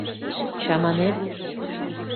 — Чаманет?